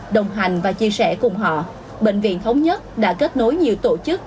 đồng hành và chia sẻ cùng họ bệnh viện thống nhất đã kết nối nhiều tổ chức